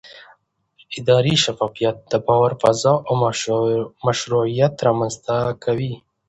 اداري شفافیت د باور فضا او مشروعیت رامنځته کوي